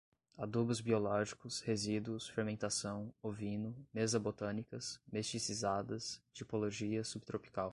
adubos biológicos, resíduos, fermentação, ovino, mesa-botânicas, mesticizadas, tipologia, sub-tropical